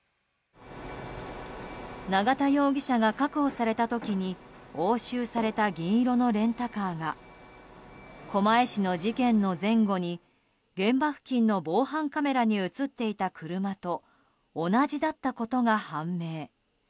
永田容疑者が確保された時に押収された銀色のレンタカーが狛江市の事件の前後に現場付近の防犯カメラに映っていた車と同じだったことが判明。